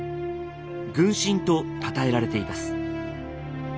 「軍神」とたたえられています。